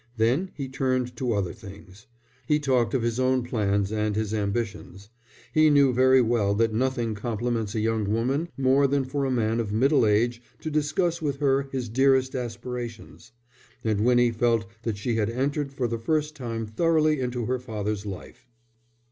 Then he turned to other things. He talked of his own plans and his ambitions. He knew very well that nothing compliments a young woman more than for a man of middle age to discuss with her his dearest aspirations; and Winnie felt that she had entered for the first time thoroughly into her father's life.